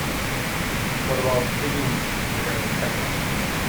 What about Higgins against Becca?